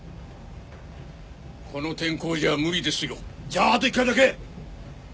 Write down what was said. この天候じゃ無理ですよじゃああと１回だけ！